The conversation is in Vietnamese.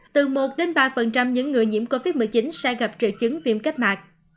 từ một ba những người nhiễm covid một mươi chín sẽ gặp triệu chứng viêm cấp mạc